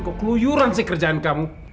kok kluyuran sih kerjaan kamu